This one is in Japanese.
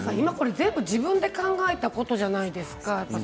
全部自分で考えたことじゃないですか